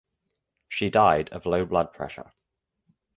She died of low blood pressure.